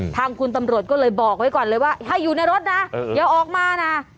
ทางคุณตำรวจก็เลยบอกไว้ก่อนเลยว่าให้อยู่ในรถนะอย่าออกมานะ